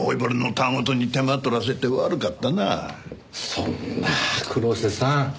そんな黒瀬さん。